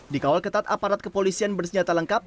di kawal ketat aparat kepolisian bersenjata lengkap